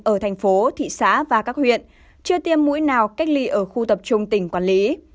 ở thành phố thị xã và các huyện chưa tiêm mũi nào cách ly ở khu tập trung tỉnh quản lý